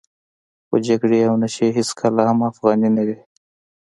خو جګړې او نشې هېڅکله هم افغاني نه وې.